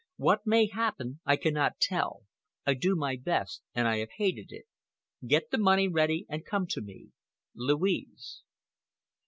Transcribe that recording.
What may happen I cannot tell. I do my best and I have hated it. Get the money ready and come to me. LOUISE.